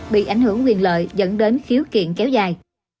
bị ảnh hưởng quyền lợi dẫn đến khiếu kiện kéo dài